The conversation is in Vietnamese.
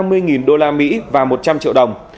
ba mươi usd và một trăm linh triệu đồng